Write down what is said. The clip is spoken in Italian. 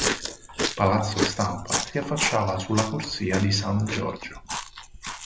Palazzo Stampa si affacciava sulla corsia di San Giorgio.